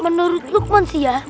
menurut lukman sih ya